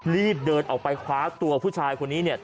รีดเดินออกไปขวางตัวผู้ชายคนนี้